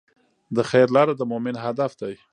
د خیر لاره د مؤمن هدف دی.